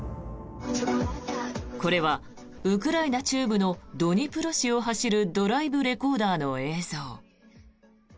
これはウクライナ中部のドニプロ市を走るドライブレコーダーの映像。